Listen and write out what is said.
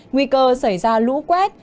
nguy cơ xảy ra lũ quét